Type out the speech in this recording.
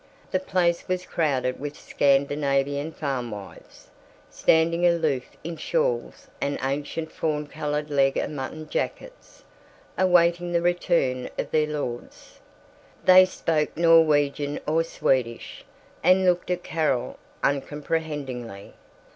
The place was crowded with Scandinavian farmwives, standing aloof in shawls and ancient fawn colored leg o' mutton jackets, awaiting the return of their lords. They spoke Norwegian or Swedish, and looked at Carol uncomprehendingly.